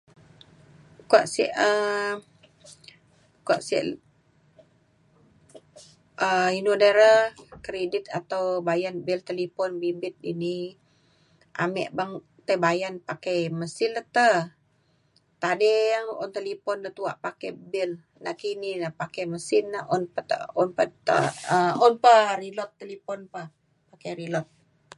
kuak sik um kuak sik um inu de re kridit atau bayen bil telepon bimbit ini amik beng tai bayan pakai mesin le te tading un telepon de' tua' pakai bil nak ki ni pakai mesin na un pe dek un pe pakai reload telipon.